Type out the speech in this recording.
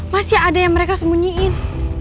masih ada yang mereka sembunyiin